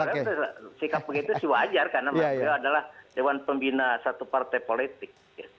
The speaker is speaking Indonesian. karena sikap begitu sih wajar karena muhammadiyah adalah dewan pembina satu partai politik